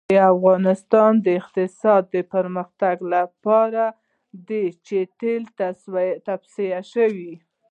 د افغانستان د اقتصادي پرمختګ لپاره پکار ده چې تیل تصفیه شي.